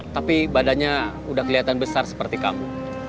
tapi badannya udah kelihatan besar seperti kamu